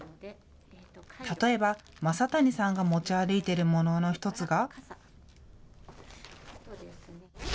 例えば正谷さんが持ち歩いているものの１つが。